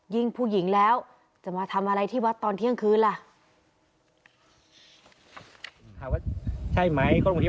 ผู้หญิงแล้วจะมาทำอะไรที่วัดตอนเที่ยงคืนล่ะ